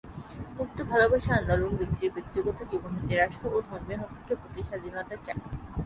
মুক্ত ভালবাসা আন্দোলন ব্যক্তির ব্যক্তিগত জীবন হতে রাষ্ট্র ও ধর্মের হস্তক্ষেপ হতে স্বাধীনতা চায়।